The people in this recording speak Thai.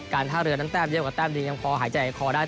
การท่าเรือนั้นแป้มเยียมกว่าแป้มดียำคอหายใจดียำคอได้